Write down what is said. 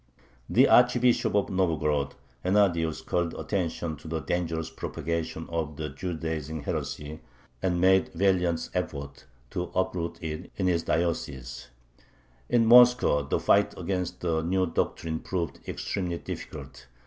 The Archbishop of Novgorod, Hennadius, called attention to the dangerous propagation of the "Judaizing heresy," and made valiant efforts to uproot it in his diocese. In Moscow the fight against the new doctrine proved extremely difficult.